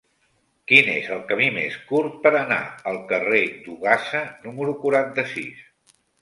Quin és el camí més curt per anar al carrer d'Ogassa número quaranta-sis?